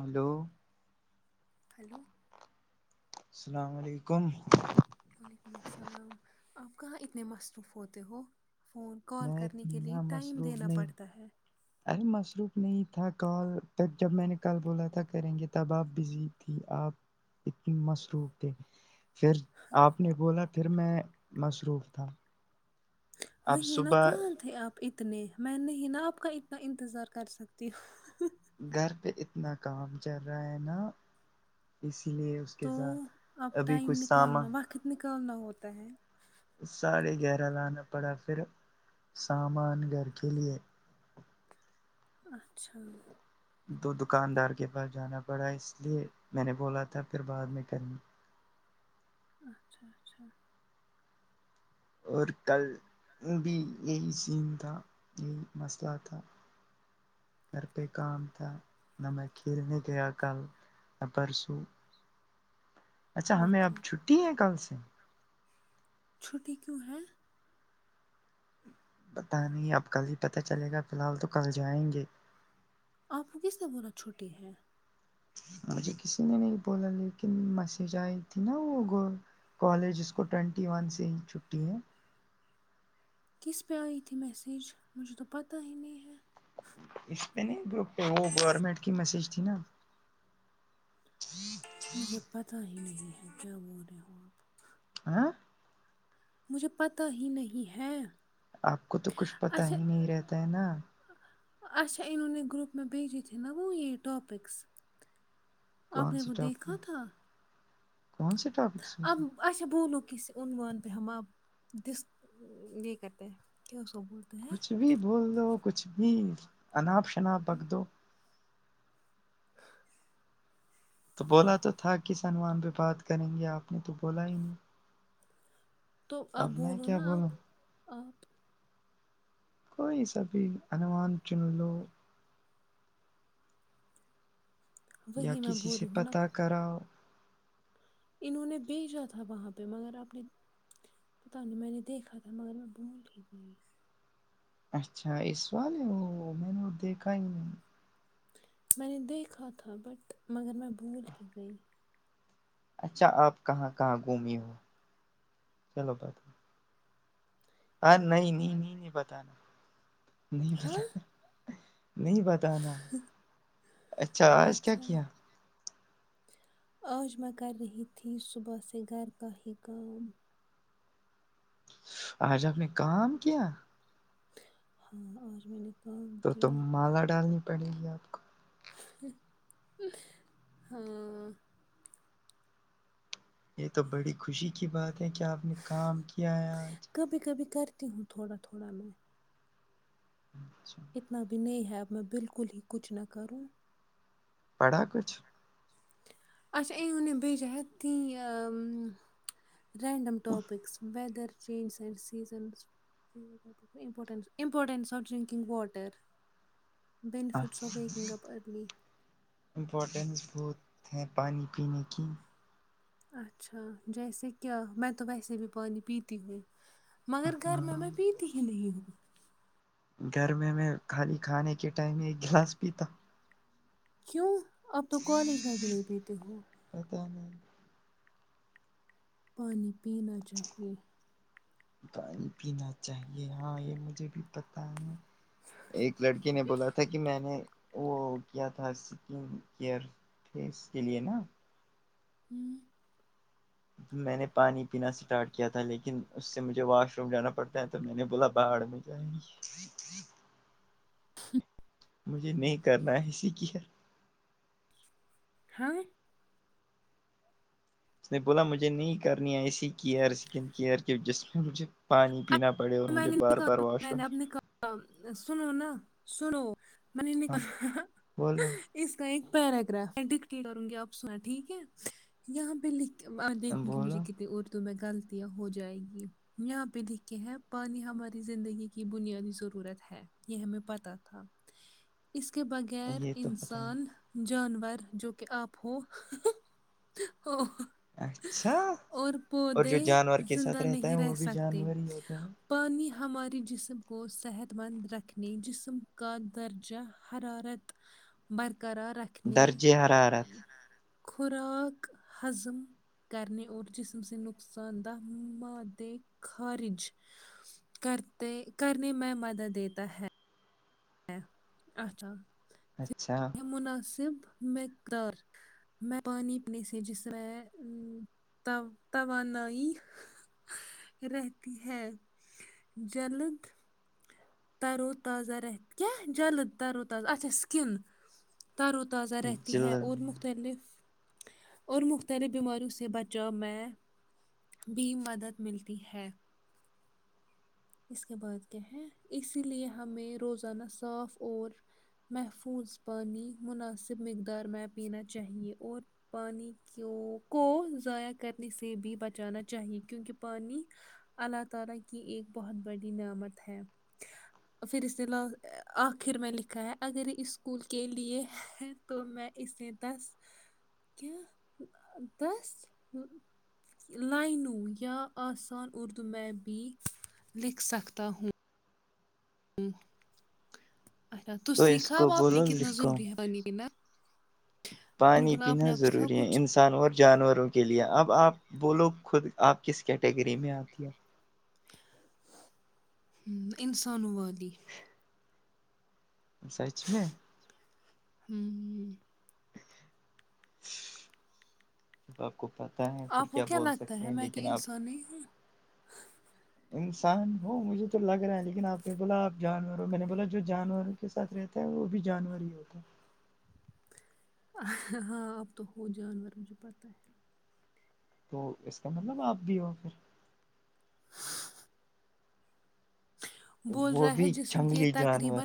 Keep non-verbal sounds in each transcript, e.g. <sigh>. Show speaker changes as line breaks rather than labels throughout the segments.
hello
hello <inaudible>
السلام علیکم
وعلیکم السلام آپ کہاں اتنے مصروف ہوتے ہو فون کال
میں
کرنے کے لیے
اتنا
ٹائم
مصروف
دینا
نہیں
پڑتا ہے
ارے مصروف نہیں تھا کال تب جب میں نے کل بولا تھا کریں گے تب آپ بزی تھی آپ اتنے مصروف تھے پھر آپ نے بولا پھر میں مصروف تھا اب
وہی نا
صبح
کہاں تھے آپ اتنے میں نہیں نا آپ کا اتنا انتظار کر سکتی ہ
گھر پہ اتنا کام چل رہا ہے نا اس لیے اس کے
تو
ساتھ
اب
ابھی
ٹائم
کچھ ساما
نکالنا وقت نکالنا ہوتا ہے
ساڑے گہرا لانا پڑا پھر سامان گھر کے لیے
اچھا
دو دکاندار کے پاس جانا پڑا اس لیے میں نے بولا تھا پھر بعد میں کرنی
اچھا اچھا
اور کل بھی یہی سین تھا یہی مسئلہ تھا گھر پہ کام تھا ن میں کھیلنے کےیا کل پرسوں اچھا ہمیں اب
اوکے
چھٹی ہے کل سے
چھٹی کیوں ہے
بتا نہیں اب کل ہی پتہ چلے گا فی الحال تو کل جائیں گے
آپ کو کس نے بلانا چھوٹی ہے
مجھے کسی نے نہیں بولا لیکن مسیج آئی تھی نا وہ گ کالج اس کو ٹوینٹی ون سے ہی چھٹی ہے
کس پہ آئی تھی میسیج مجھے تو پتا ہی نہیں ہے
اس پہ نہیں جوہ وہ گورنمنٹ کی میسج تھی نا جی
مجھے پتا ہی نہیں ہے کیا بول رہے ہو آپ
آں <unintelligible>
مجھے پتہ ہی نہیں ہے
آپ کو تو کچھ پتا
اچھا
ہی نہیں رہتا ہے نا
اچھا انہوں نے گروپ میں بھیجے تھھی نا وہ یہ اپکس آپ
کون
نے
سے
کو
ٹاپک
دیکھا تھا
کون سے ٹاپکس مھ
اب اچھا بولو کس عونوان پہم دس یہ کرتے کیا اسو بو کہ ہیں
کچھ بھی بھول دو کچھ بھی انناپ شناپ بک دو
<inaudible>
تو بولا تو تھا کس سنومان پہ بات کریں گے آپ نے تو بولا ہی نہیں
تو آپ
اب میں
بولو
کیا
نا آپ
بولوں
آپ <unintelligible>
کوئی سا بھی انومان چن لو یا
وہی میں
کسی
بول
سے
رہی ہوں نا
پتاہ کراؤ
انہوں نے بھیجا تھا وہاں پہ مگر آپ نے پتا نہیں میں نے دیکھا تھا مگر میں بھول ہی گئی
اچھا اس سال ہے وہ میں نے دیکھا ہی نہیں
میں نے دیکھا تھا بٹ مگر میں بھول ہی گئی
اچھا آپ کہاں کہاں گھمی ہو چلو بات ہاں نہیں نہیں نہیں نہیں پتانا نہیں
ہاں
پتانا نہیں بتانا اچھا آج کیا
اچھا
کیا
آج میں کر رہی تھی صبحس گھر کا ہی کا
آج آپ نے کام کیا
ہاں اورج میں نے کام
تو ت
کیا
مالا ڈالنی پڑے گی آپ کو
ہاں
یہ تو بڑی خوشی کی بات ہے کہ آپ نے کام کیا ہے آج
کبھی کبھی کرتی ہوں تھوڑا تھوڑا میں
اچھا <unintelligible>
اتنا بھی نہیں ہے اب میں بالکل ہی کچھ نہ کروں
پڑھا کچھ
اچا یہم وونے بی جائ ت random topics weather changes and سیزنزپٹس importance of drinking water benefits of waking up early
importance بہت ہے پانی پینے کی
اچھا جیسے کیا میں تو ویسے بھی پانی پیتی ہوں مگر گھر
ہاں
میںا پتیوں
گھر میں میں خالی کھانے کے ٹائم ایک گلاس پیتا
کیوں اب تو کالج میں بھی نہیں پیتے ہو
اتا
پانی پینا چاہیے
پانی پینا چاہیے ہاں یہ مجھے بھی پتا ہے ایک لڑکی نے بولا تھا کہ میں نے وہ کیا تھا اسکن کیئرس کے لیے نا
ہوں
میں نے پانی پینا اسٹارٹ کیا تھا لیکن اس سے مجھے واش روم جانا پڑتا ہے تو میں نے بولا باڑ میں جائے
ہ
مجھے نہیں کرنا ہے اسی کیئ
ہاں
اس نے بولا مجھے نہیں کرنی ایسی کیئر سکن کیئر کی جس میں مجھے پانی
اب
پینا پڑے اور
میں
مجھے
نے
بار بار
نکالا
واش
میں
روم
نے اب سنو نا سنو م نک
ہاں بولو
اس کا ایک پیراگرراف میں ڈٹ کروں گی آپ سنا ٹھیک ہے یہاں پہ لکھ میں دیکھوں گی مجھے
بولو
کتنی اردو میں غلطیاں ہو جائیں گی یہاں پہ لکھ کے ہیں پانی ہماری زندگی کی بنیادی ضرورت ہے یہ ہمیں پت تھا ا کےے بغیر
یہ تو پتہ ہی
انسان جانور جو کہ آپ ہو
اچھا
اور
اور جو
پودے
جانور کے ساتھ
زندہ
رہتا ہے
نہیں رہ
وہ بھی
سکتے
جانور ہی ہوتا ہے
پانی ہماریے جسم کو صحت مند رکھنے جسم کا درجہ حرارت برقرار رکھ
درجے حر حارت
خوراک حضم کرنے اور جسم سے نقصان دہ مہد خارج کرتے کرنے میں مدد دیتا ہے اچھا
اچھا
یہ مناسب مقدار میں پانی پینے سے جس میںح توانائی رہتی ہے جلد ترو تازہت کیا جلد ترو تازہ اچا سکن تر و تازہ رہتی
جل
ہے اور مختلف اور مختلف بیماریوں سے بچاؤ میں بھی مدد ملتی ہے اس کے بعد کیا ہے اسی لیے ہمیں روزانہ صاف اور محفوظ پانی مناسب مقدار میں پینا چاہیے اور پانی کی کو ضائع کرنے سے بھی بچانا چاہیے کیونکہ پانی اللہ تعالی کی ایک بہت بڑی نعمت ہے پھر اس نے لاس آخر میں لکھا ہے اگر اس اسکول کے لیے تو میں اس نے دس کیا دس لائنوں یا آسان اردو میں بھی لکھ سکتا ہوں اچھا تو
اس
سیکھا
کو
آاپ نے
بولو
کتنا
لکھو
ضروری ہے پانینا
پانی پینا ضروری ہے انسان اور جانوروں کے لیے اب آپ بولو خود آپ کس کیٹیگری میں آتی ہے
ہ انسانووادی
سچ میں
ہوں ہ
<inaudible> جب آپ کو پتہ ہے پھر
آپ کو
کیا بول
لگتا
سکتے
ہے
ہیں
میں کہ
لیکن آپ
انسان نہیں ہوں
انسان ہو مجھے تو لگ رہا ہے لیکن آپ نے بولا آپ جانور ہو میں نے بولا جو جانور کے ساتھ رہتا ہے وہ بھی جانور ہی ہوتا ہے
ہاں آپ تو ہو جانور م جو پتہ ہے
تو اس کا مطلب آپ بھی ہو پھر
بول
وہ
رہا ہے
بھی
جسم کے
جنگلی جانور
تقریبا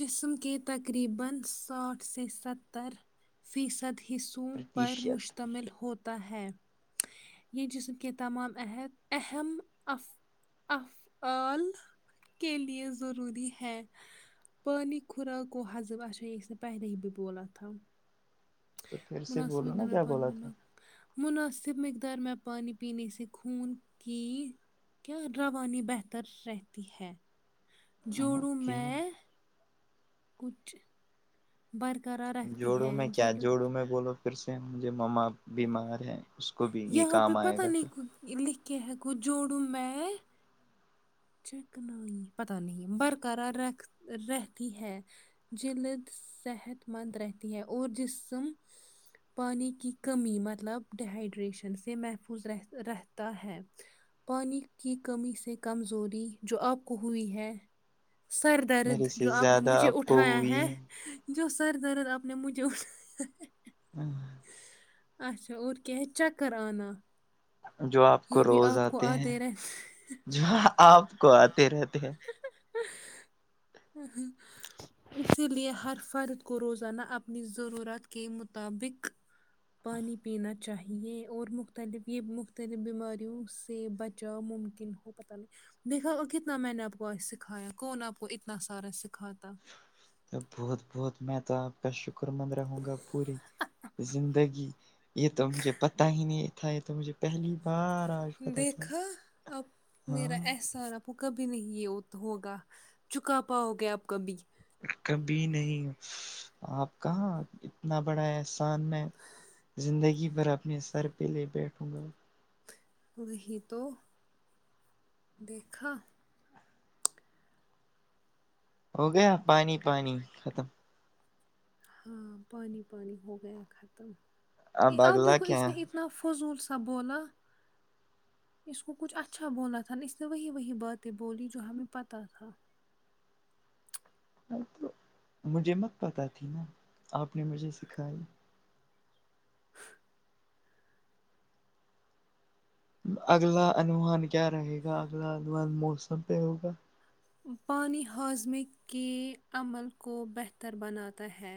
جسم کی تقریبا ساتھ سے ستر فیصد حصوں پر
پرتیشت
مشتمل ہوتا ہے یہی ج س ک تمام اہت اہم اف اف آل کے لیے ضروری ہے پانی خوراک کو و حزب اچھا یہ اس نے پہلے ہی بھی بولا تھا
تو پھر سے
مناسب
بولو
دند
نا
میں
کیا
پانی
بولا
بنا
تھا
مناسب مقدار میں پانی پینے سے خون کی کیا روانی بہتر رہتی ہے جوڑوں
اوکے
میں کچھ <unintelligible> برقرار رکھتی
جوڑو
ہے
میں کیا
جلد
جوڑو میں بولو پھر سے مجھے مما بیمار ہیں اس کو بھی یہ
یہاں پ
کام آئے
پتہ
گا پھر
نہیں لکھ ہو جووڈ میچ چکنا ہی پتا نہیں برقار ر رہتی ہے جلد صحت مند رہتی ہے اور جسم پانی کی کمی مطلب ڈیہائیڈریشن سے محفوظ رہ رہتا ہے پانی کی کمی سے کمزوری جو آپ کو ہوئی ہے سردی درد
میرے سے
جو آپ نے
زیادہ
مجھے
آپ کو
اٹھایا
ہوئی
ہے جو سر درد آپ نے مجھے اٹھایا ہے
ہوں <unintelligible>
اچھا اور کیا ہے چکر آننا
جو آپ کو روز آتے ہیں جو آپ کو آتے رہتے ہیں
ہ ہ <unintelligible> اسی لیے ہر فرد کو روزانہ اپنی ضرورت کے مطابق پانی پینا چاہیے اور مختلف یہ مختلف بیماریوں سے بچ ج ممکن ہو پتا نہیں دیکھا کتنا میں نے آپ کو سکھایا کون آپ کو اتنا سارا سکھاتا
بہت بہت میں تو آپ کا شکر مند رہوں گا پوری زندگی یہ تو مجھے پتا ہی نہیں تھا یہ تو مجھے پہلی بار آج پتہ چلا
دیکھا اب میرا
ہاں
احسان آ کبھی نہیں ہوگا چکا پاؤ گیا آپ کبھی
کبھی نہیں آپ کہاں اتنا بڑا احسان میں زندگی بھر اپنے سر پہ لے بیٹھوں گا
خ ہی تو دیکھا
ہو گیا پانی پانی ختم
ہاں پانی پانی ہو گیا ختم ا
اب
آپ
اگلا
دیکھو
کیا
اس نے <unintelligible> فضول سا بولاں اس کو کچھ اچھا بونا تھا ن اس نے وہی وہی باتیں بولی جو ہمیں پتہ تھا
تو مجھے مت پتہ تھی نا آپ نے مجھے سکھائی
ہاں <unintelligible>
اگلا انوومان کیا رہے گا اگلا انومان موسم پہ ہوگا
پانی ہاضمے کے عمل کو بہتر بناتا ہے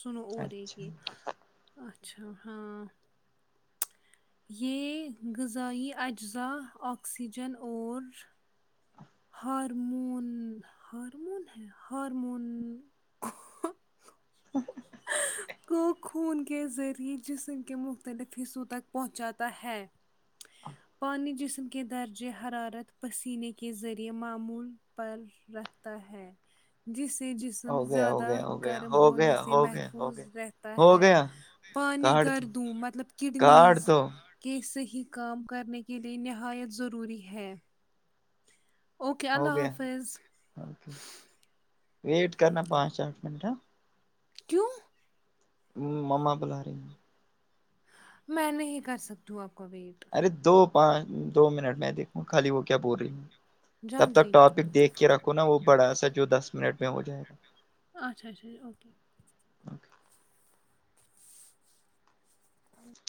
سنو اور رہی کہ
اچھا
اچھا ہاں یہ غذائی اجزاء آکسیجن اور ہارمون ہارمون ہے ہارمون
ہاں <unintelligible>
کو خون کے ذریعے جسم کے مختلف حصوں تک پہنچاتا ہے <unintelligible> پانی جسم کے درجہ حرارت پسینے کے ذریعے معمول پر رکھتا ہے جس سے جسم
ہو گیا ہو
زیادہ
گیا ہو گیا
گرم
ہو
ہونے
گیا
سے سے
ہو گیا ہو
محفوظ
گیا
رہتا
ہو
ہے
گیا
پانی
کاٹ دو
گردوں مطلب
کاٹ
کڈنیز
دو
کہ صحیح کام کرنے کے لیے نہایت ضروری ہے اوکے اللہ حافظ
کے ویٹ کرنا پانچ آٹھ منٹ ہے
کیوں
ہ مما بلا رہی
میں نہیں کر سکتی آپ کا ویٹ
ارے دو پانچ دو منٹ میں دیکھوں خالی وہ کیا بول رہی ہ تب تک
جلدی
ٹاپک دیکھ رکھو نا وہ بڑا سا جو دس منٹ میں ہو جائے گا
اچھا اچھا ا اوکے
اوکے
<unintelligible>